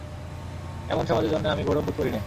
এমন সমাজের জন্যে আমি গৌরব বোধ করি নে।